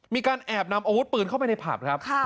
มีการแอบนำอาวุธปืนเข้าไปในผับครับ